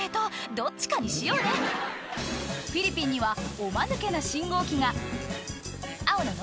どっちかにしようねフィリピンにはおマヌケな信号機が青なの？